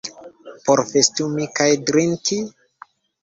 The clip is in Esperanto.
Por festumi kaj drinki?